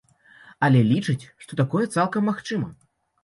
Але лічыць, што такое цалкам магчыма.